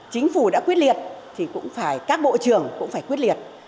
chính phủ đã quyết liệt thì cũng phải các bộ trưởng cũng phải quyết liệt